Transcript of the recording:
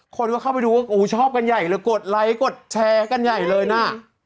กดไลค์กดแชร์กันใหญ่เลยนะ